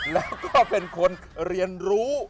แล้วก็เป็นคนเรียนรู้